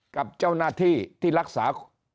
กับเจ้าหน้าที่ที่รักษา